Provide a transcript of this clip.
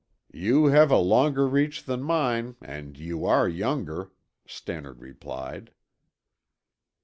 "You have a longer reach than mine and you are younger," Stannard replied.